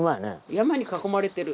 山に囲まれてる。